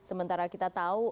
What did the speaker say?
sementara kita tahu